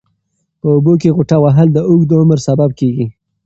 په اوبو کې غوټه وهل د اوږد عمر سبب کېږي.